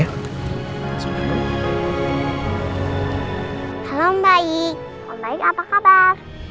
halo mbaik mbaik apa kabar